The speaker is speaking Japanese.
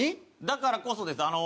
だからこそです。